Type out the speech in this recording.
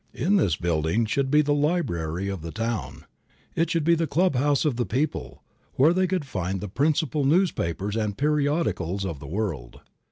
In this building should be the library of the town. It should be the clubhouse of the people, where they could find the principal newspapers and periodicals of the world.